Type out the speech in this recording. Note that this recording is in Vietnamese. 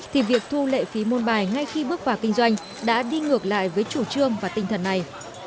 thì việc thu lệ phí môn bài ngay khi bước vào kinh doanh đã đi ngược lại với chủ trương và tinh thần này